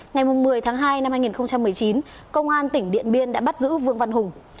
ngày một mươi tháng hai năm hai nghìn một mươi chín công an tỉnh điện biên đã bắt giữ vương văn hùng